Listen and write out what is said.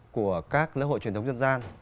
của các lễ hội truyền thống dân gian